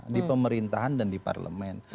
di pemerintahan dan di parlemen